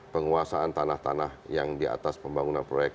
penguasaan tanah tanah yang di atas pembangunan proyek